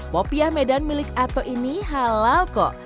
popiah medan milik ato ini halal kok